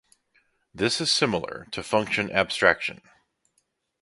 this is similar to function abstraction